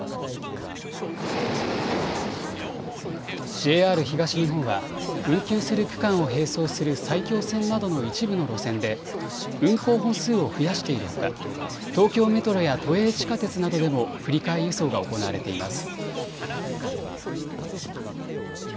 ＪＲ東日本は運休する区間を並走する埼京線などの一部の路線で運行本数を増やしているほか東京メトロや都営地下鉄などでも振り替え輸送が行われています。